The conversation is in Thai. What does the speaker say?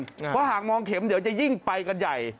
เพราะหากมองเข็มเดี๋ยวจะยิ่งไปกันใหญ่